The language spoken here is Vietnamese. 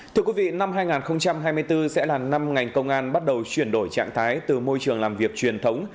thưa quý vị năm hai nghìn hai mươi bốn sẽ là năm ngành công an bắt đầu chuyển đổi trạng thái từ môi trường làm việc truyền thống